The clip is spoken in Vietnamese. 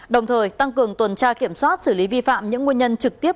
đồng thời tăng cường tuần tra kiểm soát xử lý vi phạm những nguyên nhân trực tiếp